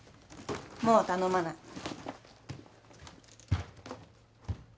もう頼まない。